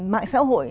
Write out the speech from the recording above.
mạng xã hội